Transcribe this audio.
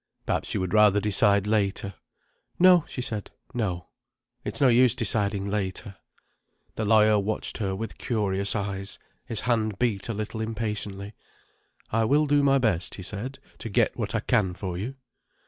"Perhaps you would rather decide later." "No," she said. "No. It's no use deciding later." The lawyer watched her with curious eyes, his hand beat a little impatiently. "I will do my best," he said, "to get what I can for you."